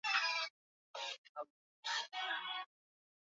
tuwe na kizazi chenye uelewa kwenye eneo hilo husika